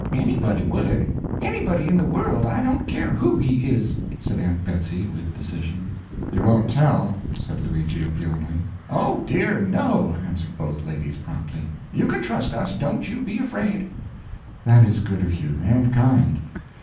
"Anybody would anybody in the world, I don't care who he is," said Aunt Betsy with decision. "You won't tell," said Luigi, appealingly. "Oh, dear, no!" answered both ladies promptly, "you can trust us, don't you be afraid." "That is good of you, and kind.